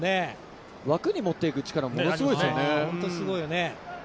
枠に持っていく力、ものすごいですよね。